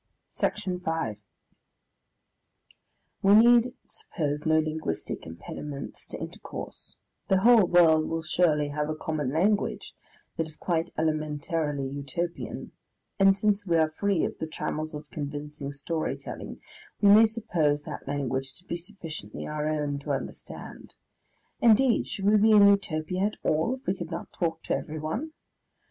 Section 5 We need suppose no linguistic impediments to intercourse. The whole world will surely have a common language, that is quite elementarily Utopian, and since we are free of the trammels of convincing story telling, we may suppose that language to be sufficiently our own to understand. Indeed, should we be in Utopia at all, if we could not talk to everyone?